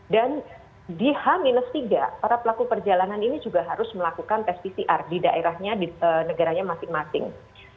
dan di h tiga para pelaku perjalanan ini juga harus melakukan tes pcr di daerahnya di negaranya masing masing